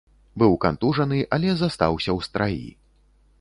Быў кантужаны, але застаўся ў страі.